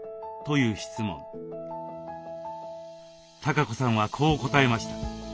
かこさんはこう答えました。